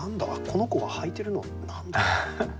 この子が履いてるの何だ？